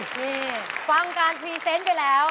นี่ความการแบบกีดไปแล้ว